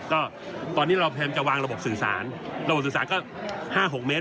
ก็ตอนนี้เราพยายามจะวางระบบสื่อสารระบบสื่อสารก็๕๖เมตร